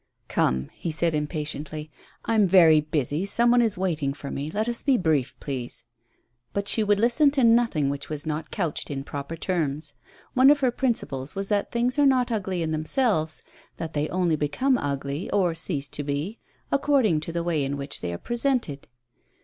" Come," said he, impatiently, I'm very busy ; some one is waiting for me, let us be brief, please.'^ But she would listen to nothing which was not couched in proper terms. One of her principles was that things are not ugly in themselves, that they only become ugly or cease to be so according to the way in which they are presented.